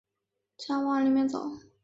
请大家往里面走